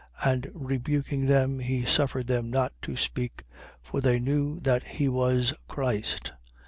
And rebuking them he suffered them not to speak; for they knew that he was Christ.